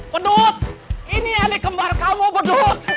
bedut ini adik kembar kamu bedut